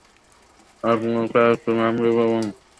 আপনি তার একটি নাম দিয়ে দেবেন এবং তার মাথায় হাত দিয়ে একটু আদর করবেন।